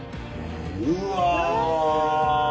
うわ。